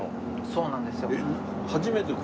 そうなんですよ。